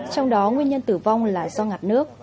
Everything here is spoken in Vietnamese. trong đó nguyên nhân tử vong là